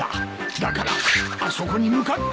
だからあそこに向かって。